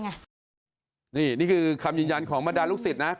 นี่คือคำยืนยันของบรรดาลูกศิษย์นะ